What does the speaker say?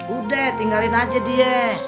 udah tinggalin aja dia